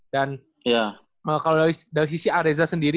dan kalau dari sisi areza sendiri